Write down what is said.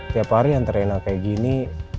tiap hari yang terenak kayak gini